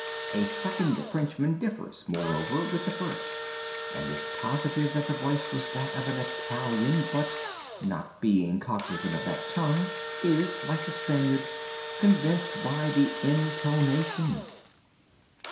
_' A second Frenchman differs, moreover, with the first, and is positive that the voice was that of an Italian; but, not being cognizant of that tongue, is, like the Spaniard, 'convinced by the intonation.